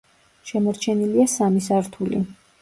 შემორჩენილია სამი სართული.